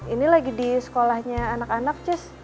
ini lagi di sekolahnya anak anak ces